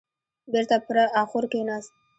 بېرته پر اخور کيناست.